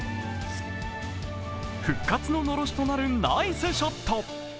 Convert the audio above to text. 復活ののろしとなるナイスショット。